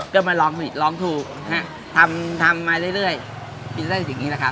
ก็มาร้องหนิร้องถูกฮะทำทำมาได้เรื่อยจนได้แบบนี้แหละครับ